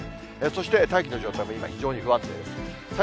そして、大気の状態も今、非常に不安定です。